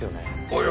おい